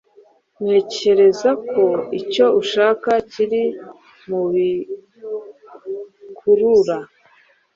Ntekereza ko icyo ushaka kiri mubikurura.